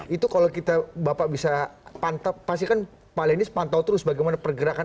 itu kalau kita bapak bisa pantau pasti kan pak lenis pantau terus bagaimana pergerakan